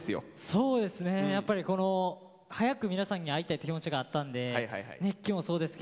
そうですねやっぱり早く皆さんに会いたいって気持ちがあったんで熱気もそうですけど